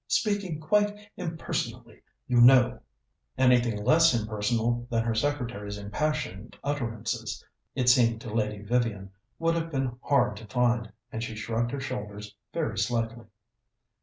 Speaking quite impersonally, you know." Anything less impersonal than her secretary's impassioned utterances, it seemed to Lady Vivian, would have been hard to find, and she shrugged her shoulders very slightly.